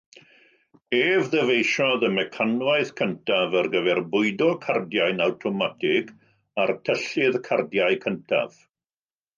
Er ddyfeisiodd y mecanwaith cyntaf ar gyfer bwydo cardiau'n awtomatig a'r tyllydd cardiau cyntaf.